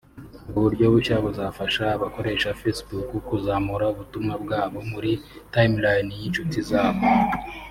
ubwo buryo bushya buzafasha abakoresha facebook kuzamura ubutumwa bwabo muri timeline y’inshuti zabo